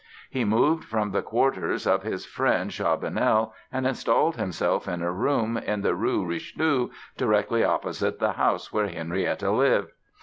He moved from the quarters of his friend Charbonnel and installed himself in a room in the Rue Richelieu directly opposite the house where Henrietta lived.